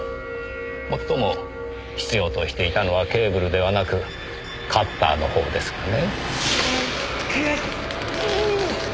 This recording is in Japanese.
もっとも必要としていたのはケーブルではなくカッターの方ですがね。